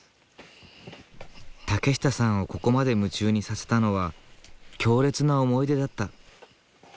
竹下さんをここまで夢中にさせたのは強烈な思い出だった。